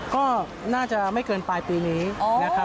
ก็น่าจะไม่เกินปลายปีนี้นะครับ